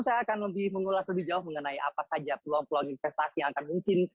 saya akan lebih mengulas lebih jauh mengenai apa saja peluang peluang investasi yang akan mungkin